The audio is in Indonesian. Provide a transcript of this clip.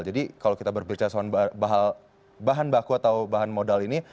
jadi kalau kita berpikir soal bahan baku atau bahan modal ini